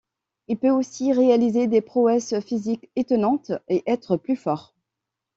Il peut aussi réaliser des prouesses physiques étonnantes, et être plus fort.